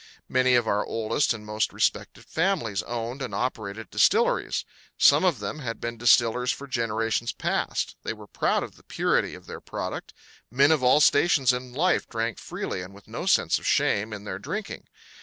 Many of our oldest and most respected families owned and operated distilleries. Some of them had been distillers for generations past; they were proud of the purity of their product. Men of all stations in life drank freely and with no sense of shame in their drinking.